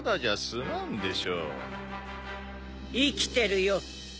生きてるよ。